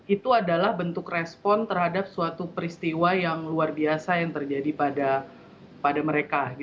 itu adalah bentuk respon terhadap suatu peristiwa yang luar biasa yang terjadi pada mereka